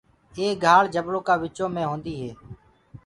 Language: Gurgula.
ايڪ گھآݪ جبلو ڪآ وچو مينٚ هوندي هي۔